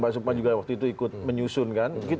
pak sukman juga waktu itu ikut menyusun kan